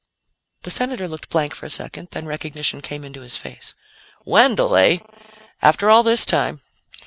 The Senator looked blank for a second, then recognition came into his face. "Wendell, eh? After all this time.